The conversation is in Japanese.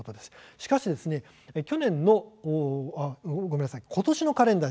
しかしことしのカレンダー